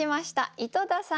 井戸田さん